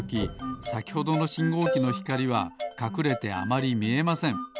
さきほどのしんごうきのひかりはかくれてあまりみえません。